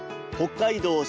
北海道